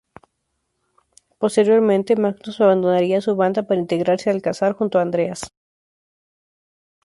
Posteriormente, Magnus abandonaría a su banda para integrarse a Alcazar junto a Andreas.